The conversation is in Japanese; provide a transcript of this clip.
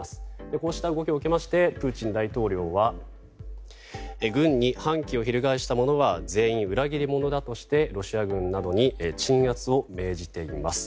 こうした動きを受けましてプーチン大統領は軍に反旗を翻した者は全員裏切り者だとしてロシア軍などに鎮圧を命じています。